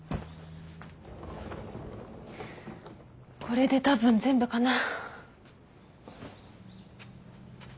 これでたぶん全部かな。